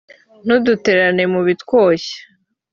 ntudutererane mu bitwoshya